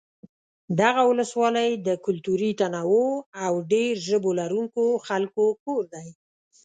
دغه ولسوالۍ د کلتوري تنوع او ډېر ژبو لرونکو خلکو کور دی.